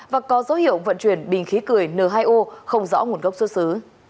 và có dấu hiệu vận chuyển bình khí cười n hai o không rõ nguồn gốc xuất xứ